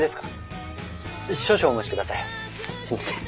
すみません。